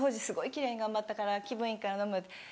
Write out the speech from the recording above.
すごい奇麗に頑張ったから気分いいから飲む」。